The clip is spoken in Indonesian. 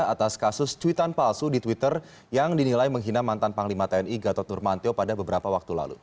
atas kasus cuitan palsu di twitter yang dinilai menghina mantan panglima tni gatot nurmantio pada beberapa waktu lalu